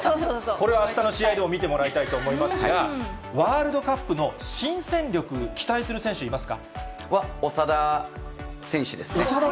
これ、あしたの試合でも見てもらいたいと思いますが、ワールドカップの新戦力、期待する選手、いますか？は、長田選手？